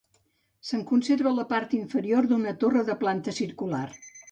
Se'n conserva la part inferior d'una torre de planta circular.